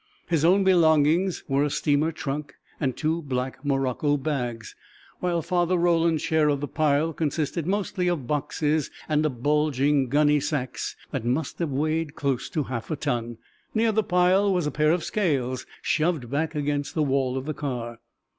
His own belongings were a steamer trunk and two black morocco bags, while Father Roland's share of the pile consisted mostly of boxes and bulging gunny sacks that must have weighed close to half a ton. Near the pile was a pair of scales, shoved back against the wall of the car.